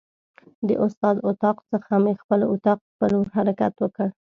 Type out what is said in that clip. د استاد اتاق څخه مې خپل اتاق په لور حرکت وکړ.